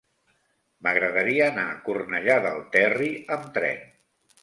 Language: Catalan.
M'agradaria anar a Cornellà del Terri amb tren.